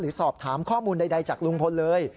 สอบถามข้อมูลใดจากลุงพลเลย